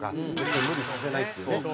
無理させないっていうね。